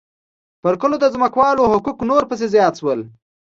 پر کلو د ځمکوالو حقوق نور پسې زیات شول